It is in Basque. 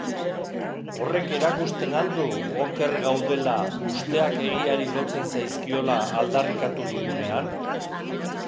Horrek erakusten al du oker gaudela usteak egiari lotzen zaizkiola aldarrikatu dugunean?